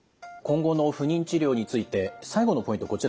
今後の不妊治療について最後のポイント